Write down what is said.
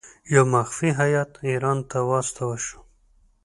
یو مخفي هیات ایران ته واستاوه شو.